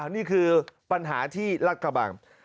นี่คือปัญหาที่รัฐกระบัง